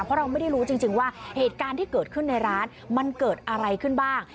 เพราะเราไม่ได้รู้จริงว่าเหตุการณ์ที่เกิดขึ้นในร้านมันเกิดอะไรขึ้นบ้าง